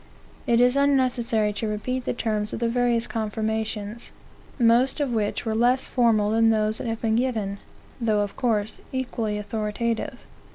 It is unnecessary to repeat the terms of the various confirmations, most of which were less formal than those that have been given, though of course equally authoritative.